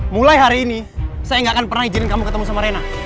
mulai hari ini saya nggak akan pernah izinin kamu ketemu sama rena